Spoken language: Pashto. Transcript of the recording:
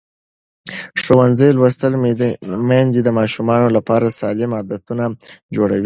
ښوونځې لوستې میندې د ماشومانو لپاره سالم عادتونه جوړوي.